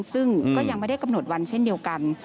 ซึ่งก็ยังไม่ได้กำหนดวันเช่นเดียวกัน